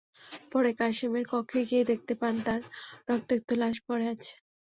পরে কাশেমের কক্ষে গিয়ে দেখতে পান তাঁর রক্তাক্ত লাশ পড়ে আছে।